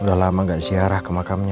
udah lama gak ziarah ke makamnya